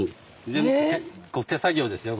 全部手作業ですよ